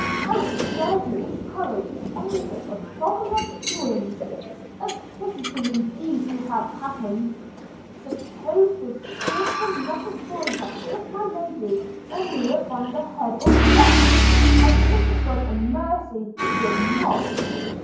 how dared you encourage any such abominable doings? – A pretty thing indeed to have happen! –Suppose the good for nothing boy had hit my lady or me upon the head or breast, as it was a mercy he did not!